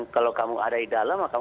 kalau kamu ada di dalam kamu